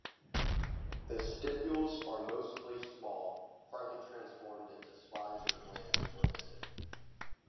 The stipules are mostly small, partly transformed into spines or glands, or missing.